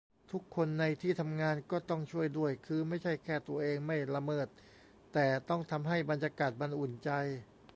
ทุกคนในที่ทำงานก็ต้องช่วยด้วย คือไม่ใช่แค่ตัวเองไม่ละเมิด แต่ต้องทำให้บรรยากาศมันอุ่นใจ